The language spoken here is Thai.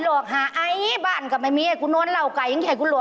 โอ้โฮ